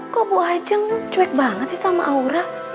kok bu ajeng cuek banget sih sama aura